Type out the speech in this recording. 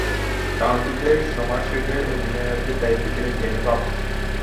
কাউন্টিতে সমারসেটের অধিনায়কের দায়িত্বে ছিলেন জেমি কক্স।